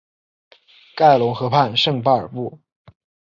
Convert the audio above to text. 盖隆河畔圣巴尔布。